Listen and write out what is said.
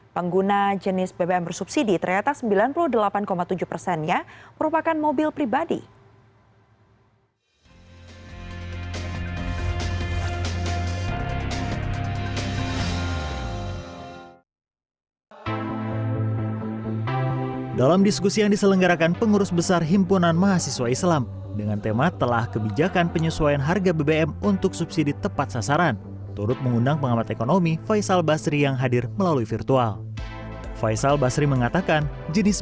pengguna jenis bbm bersubsidi terletak sembilan puluh delapan tujuh persennya merupakan mobil pribadi